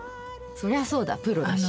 そりゃそうだプロだし。